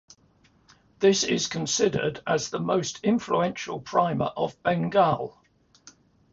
This is considered as "the most influential primer of Bengal".